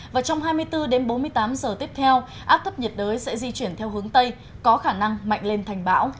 và trong hai mươi bốn đến bốn mươi tám giờ tiếp theo áp thấp nhiệt đới sẽ di chuyển theo hướng tây có khả năng mạnh lên thành bão